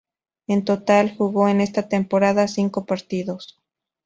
En total, jugó en esa temporada cinco partidos.